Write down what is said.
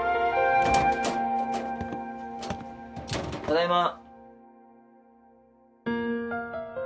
ただいま。